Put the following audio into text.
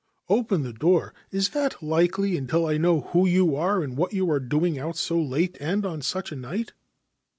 4 Open the door ! Is that likely until I know who you are and what you are doing out so late and on such a night